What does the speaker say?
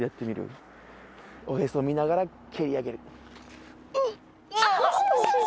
おへそ見ながら蹴り上げる。